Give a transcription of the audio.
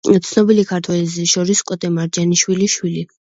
ცნობილი ქართველი რეჟისორის კოტე მარჯანიშვილის შვილი.